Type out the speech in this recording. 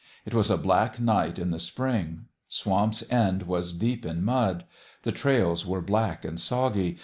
It was a black night in the spring. Swamp's End was deep in mud. The trails were black and soggy.